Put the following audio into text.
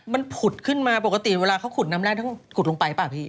มันผุดขึ้นมาปกติเวลาเค้าขุดน้ำลาขุดลงไปไปหรือเปล่าพี่